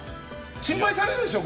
心配されるでしょう。